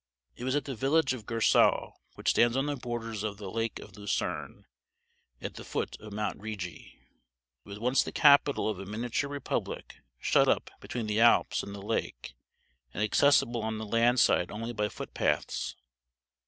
It was at the village of Gersau, which stands on the borders of the Lake of Lucerne, at the foot of Mount Rigi. It was once the capital of a miniature republic shut up between the Alps and the lake, and accessible on the land side only by footpaths.